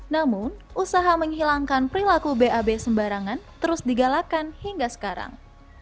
namun usaha menghilangkan perilaku bab sembarangan terus digalakan hingga sekarang